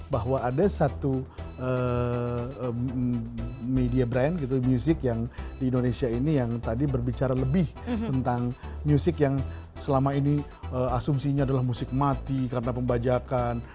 bahwa ada satu media brand gitu music yang di indonesia ini yang tadi berbicara lebih tentang music yang selama ini asumsinya adalah musik mati karena pembajakan